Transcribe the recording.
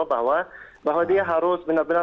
bahwa dia harus benar benar